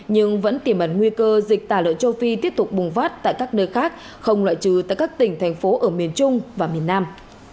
nhưng vẫn tiềm ẩn nguy cơ dịch tả lợn châu phi tiếp tục bùng phát tại các nơi khác không loại trừ tại các tỉnh thành phố ở miền trung và miền nam